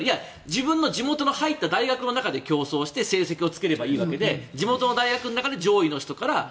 自分の地元の入った大学に入って競争して成績をつければいいわけで地元の大学の人から順位をつける。